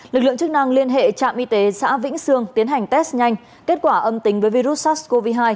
lực lượng chức năng liên hệ trạm y tế xã vĩnh sương tiến hành test nhanh kết quả âm tính với virus sars cov hai